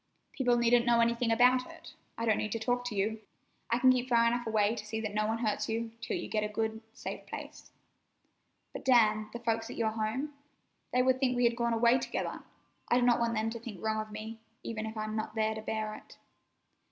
"People needn't know anything about it. I don't need to talk to you. I can keep far enough away to see that no one hurts you, till you get a good, safe place." "But, Dan, the folks at your home? They would think we had gone away together! I do not want them to think wrong of me, even if I'm not there to bear it."